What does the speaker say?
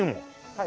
はい。